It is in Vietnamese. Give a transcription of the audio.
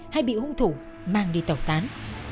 hay bị hùng thủ mang đi tẩu tán